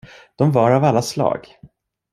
De var av alla slag.